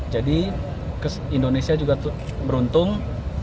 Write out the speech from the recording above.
jadi indonesia juga beruntung